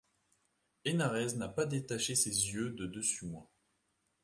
Hénarez n’a pas détaché ses yeux de dessus moi.